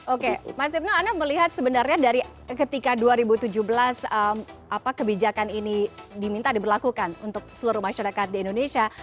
oke mas ibnu anda melihat sebenarnya dari ketika dua ribu tujuh belas kebijakan ini diminta diberlakukan untuk seluruh masyarakat di indonesia